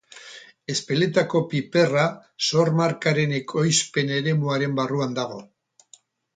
Ezpeletako piperra sor-markaren ekoizpen eremuaren barruan dago.